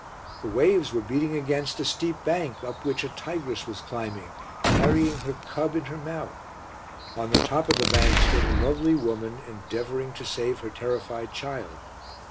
The waves were beating against a steep bank up which a tigress was climbing, carrying her cub in her mouth. On the top of the bank stood a lovely woman endeavouring to save her terrified child.